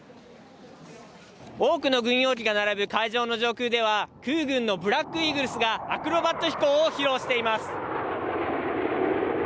多くの軍用機が並ぶ海上の上空では、空軍のブラックイーグルスがアクロバット飛行を披露しています。